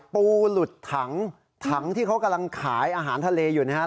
ปูหลุดถังถังที่เขากำลังขายอาหารทะเลอยู่นะครับ